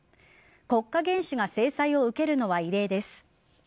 国家元首が制裁を受けるのは異例です。